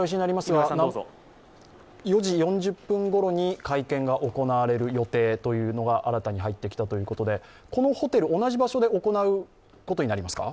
４時４０分ごろに会見が行われる予定というのが新たに入ってきたということでこのホテル、同じ場所で行うことになりますか？